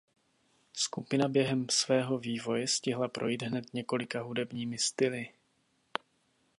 Skupina během svého vývoje stihla projít hned několika hudebními styly.